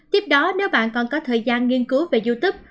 tiếp đó nếu bạn còn có thời gian nghiên cứu về youtube